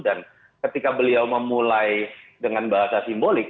dan ketika beliau memulai dengan bahasa simbolik